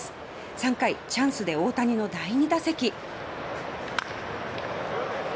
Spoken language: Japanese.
３回、チャンスで大谷の第２打席。